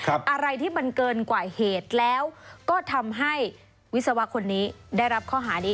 อะไรที่มันเกินกว่าเหตุแล้วก็ทำให้วิศวะคนนี้ได้รับข้อหานี้